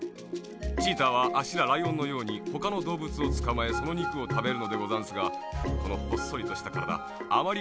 チーターはあっしらライオンのようにほかのどうぶつをつかまえそのにくをたべるのでござんすがこのほっそりとしたからだあまり